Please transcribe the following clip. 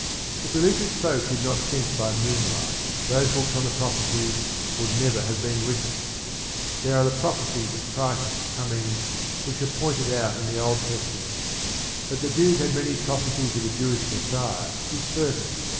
If religious folk did not think by moonlight those books on the prophecies would never have been written. There are the prophecies of Christ's coming which are pointed out in the Old Testament. That the Jews had many prophecies of a Jewish Messiah is certain.